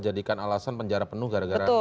jadikan alasan penjara penuh gara gara napi korupsi